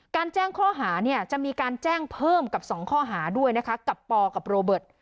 แจ้งข้อหาเนี่ยจะมีการแจ้งเพิ่มกับ๒ข้อหาด้วยนะคะกับปอกับโรเบิร์ต